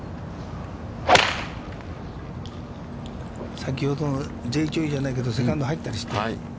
先ほどのＪ・チョイじゃないけど、セカンド入ったりして。